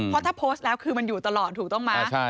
เพราะถ้าโพสต์แล้วคือมันอยู่ตลอดถูกต้องไหม